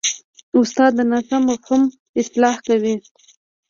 استاد د ناسم فهم اصلاح کوي.